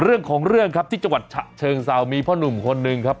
เรื่องของเรื่องครับที่จังหวัดฉะเชิงเซามีพ่อหนุ่มคนหนึ่งครับ